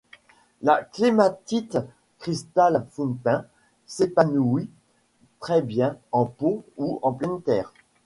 La clématite Crystal Fountain s'épanouit très bien en pot ou en pleine terre.